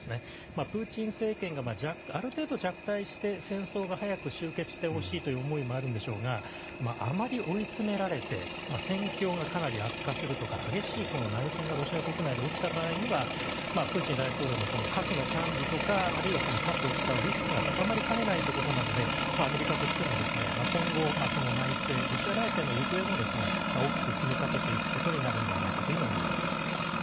プーチン政権がある程度、弱体して戦争が早く終結してほしいという思いもあるんでしょうがあまり追い詰められて戦況がかなり悪化するとか激しい内戦がロシア国内で起きた場合にはプーチン大統領の核の管理とかあるいは核を使うリスクが高まりかねないということになるのでアメリカとしても今後はロシア内政の行方も大きく気にかけていくんじゃないかと思います。